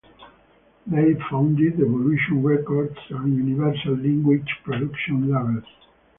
They founded the Evolution Records and Universal Language Productions labels.